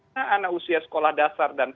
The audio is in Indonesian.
nah anak anak usia sekolah dasar dan paud